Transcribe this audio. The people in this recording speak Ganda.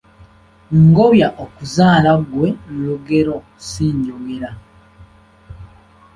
Ngobya okuzaala gwe lugero si njogera.